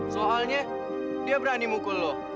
soalnya dia berani mukul loh